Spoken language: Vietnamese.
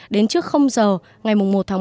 đến trước h ngày một một